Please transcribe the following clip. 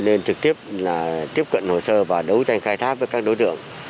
nên trực tiếp tiếp cận hồ sơ và đấu tranh khai thác với các đối tượng